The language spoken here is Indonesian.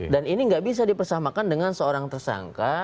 dan ini nggak bisa dipersamakan dengan seorang tersangka